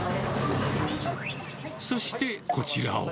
そして、こちらは。